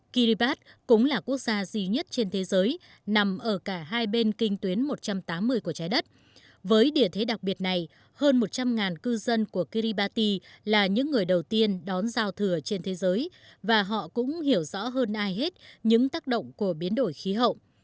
kiribat cũng là quốc gia duy nhất trên thế giới nằm ở cả hai bên kinh tuyến một trăm tám mươi của trái đất với địa thế đặc biệt này hơn một trăm linh cư dân của kiribati là những người đầu tiên đón giao thừa trên thế giới và họ cũng hiểu rõ hơn ai hết những tác động của biến đổi khí hậu